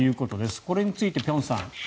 これについて辺さん